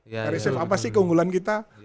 cari safe apa sih keunggulan kita